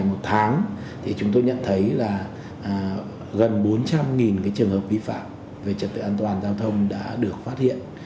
một tháng thì chúng tôi nhận thấy là gần bốn trăm linh trường hợp vi phạm về trật tự an toàn giao thông đã được phát hiện